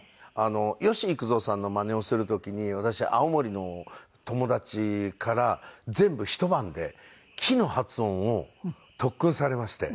吉幾三さんのマネをする時に私青森の友達から全部一晩で「き」の発音を特訓されまして。